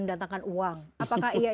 mendatangkan uang apakah iya